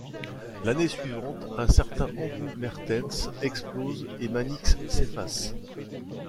L’année suivante, un certain Andrew Mehrtens explose et Mannix s’efface.